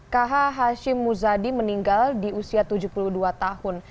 k h h muzadi meninggal di usia tujuh puluh dua tahun